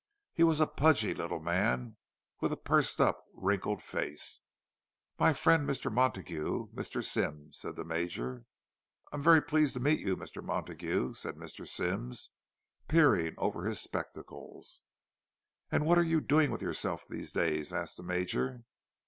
He was a pudgy little man, with a pursed up, wrinkled face. "My friend Mr. Montague—Mr. Symmes," said the Major. "I am very pleased to meet you, Mr. Montague," said Mr. Symmes, peering over his spectacles. "And what are you doing with yourself these days?" asked the Major.